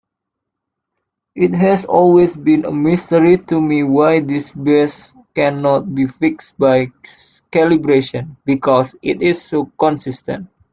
It has always been a mystery to me why this bias cannot be fixed by calibration, because it is so consistent.